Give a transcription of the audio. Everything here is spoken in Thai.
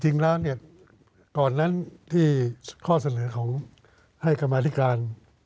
จริงแล้วเนี่ยก่อนนั้นที่ข้อเสนอของให้กรรมาธิการ